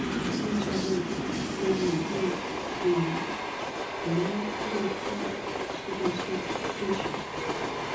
密沙镇为缅甸曼德勒省皎克西县的镇区。